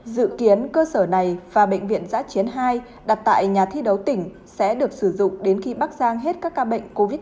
dự kiến cơ sở này và bệnh viện giã chiến hai đặt tại nhà thi đấu tỉnh sẽ được sử dụng đến khi bắc giang hết các ca bệnh covid một mươi chín